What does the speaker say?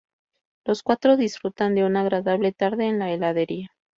Los cuatro disfrutan de una agradable tarde en la heladería.